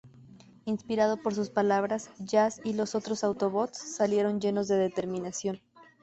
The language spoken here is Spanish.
Inspirado por sus palabras, Jazz y los otros Autobots salieron, llenos de determinación.